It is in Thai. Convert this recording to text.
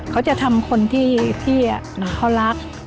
เขาจะทำคนที่พี่นี่มาเขารัก